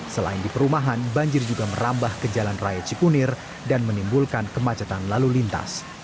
selain di perumahan banjir juga merambah ke jalan raya cikunir dan menimbulkan kemacetan lalu lintas